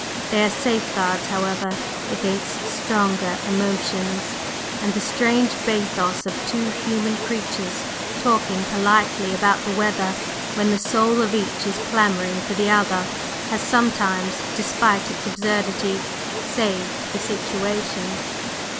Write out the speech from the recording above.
They are safeguards, however, against stronger emotions; and the strange bathos of two human creatures talking politely about the weather when the soul of each is clamoring for the other, has sometimes, despite its absurdity, saved the situation.